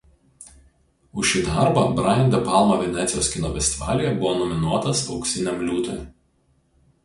Už šį darbą Brian De Palma Venecijos kino festivalyje buvo nominuotas Auksiniam liūtui.